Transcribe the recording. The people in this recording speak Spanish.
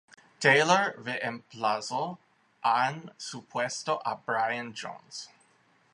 Taylor reemplazó en su puesto a Brian Jones.